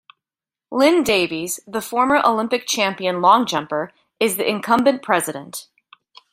Lynn Davies, the former Olympic champion long jumper, is the incumbent president.